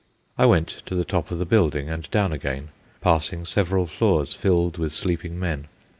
I went to the top of the building and down again, passing several floors filled with sleeping men.